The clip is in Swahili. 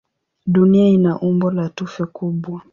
Dunia ina umbo la tufe kubwa.